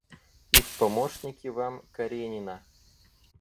И в помощники вам — Каренина.